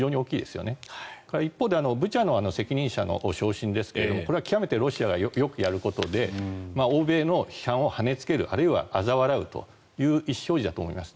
それから、ブチャの責任者の昇進ですがこれは極めてロシアがよくやることで欧米の批判をはねつけるあるいはあざ笑うという意思表示だと思います。